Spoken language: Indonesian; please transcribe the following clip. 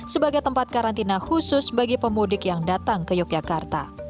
sebagai tempat karantina khusus bagi pemudik yang datang ke yogyakarta